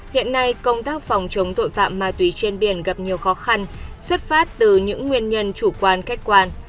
hiện nay công tác phòng chống tội phạm ma túy trên biển gặp nhiều khó khăn xuất phát từ những nguyên nhân chủ quan khách quan